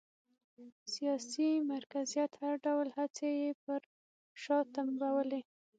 سیاسي مرکزیت هر ډول هڅې یې پر شا تمبولې